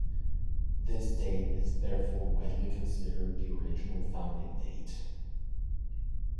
This date is therefore widely considered the original founding date.